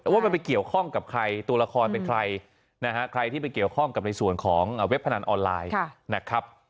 ว่ามันไปเกี่ยวข้องกับใครตัวละครเป็นใครนะฮะใครที่ไปเกี่ยวข้องกับในส่วนของเว็บพนันออนไลน์นะครับ